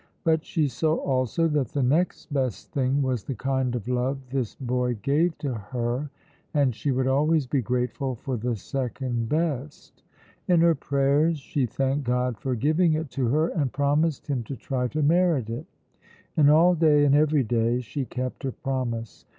But she saw also that the next best thing was the kind of love this boy gave to her, and she would always be grateful for the second best. In her prayers she thanked God for giving it to her, and promised Him to try to merit it; and all day and every day she kept her promise.